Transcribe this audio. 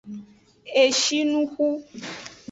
Eshinuxu.